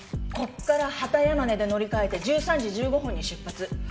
ここから畑山根で乗り換えて１３時１５分に出発。